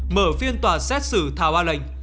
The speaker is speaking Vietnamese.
mở phiên tòa xét xử thảo an lệnh